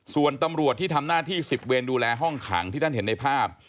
ส่วนตำรวจที่ทำหน้าที่๑๐เวรดูแลห้องขังที่ท่านเห็นในภาพ